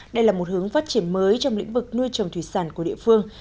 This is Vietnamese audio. đây là một hướng phát triển mới trong lĩnh vực nuôi trồng thủy sản của địa phương